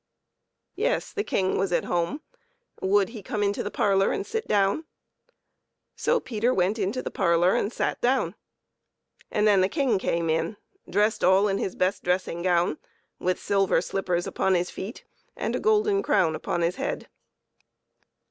Yes, the King was at home ; would he come into the parlor and sit down ? So Peter went into the parlor and sat down, and then the King came in, dressed all in his best dressing gown, with silver slippers upon his feet, and a golden crown upon his head.